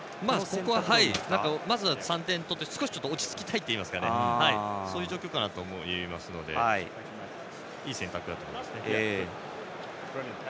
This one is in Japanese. ここは、まず３点取って落ち着きたいというかそういう状況かなと思いますのでいい選択だと思いますね。